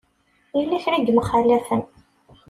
Yella kra i yemxalafen.